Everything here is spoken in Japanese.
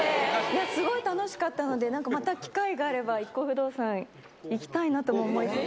すごい楽しかったので、なんかまた機会があれば、ＩＫＫＯ不動産行きたいなとも思いつつ。